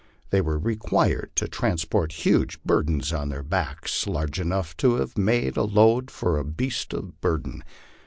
They were required to trans port huge burdens on their backs, large enough to have made a load for a beast of burden.